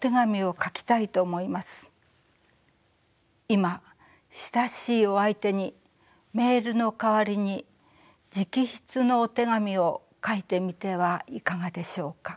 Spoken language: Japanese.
今親しいお相手にメールの代わりに直筆のお手紙を書いてみてはいかがでしょうか。